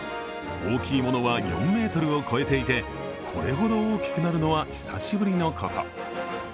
大きいものは４ｍを超えていてこれほど大きくなるのは久しぶりのこと。